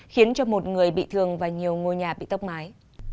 khiến cho một người bị thương và nhiều ngôi nhà bị tốc mái